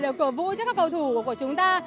để cổ vũ cho các cầu thủ của chúng ta